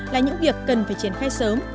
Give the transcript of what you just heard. là những việc cần phải triển khai sớm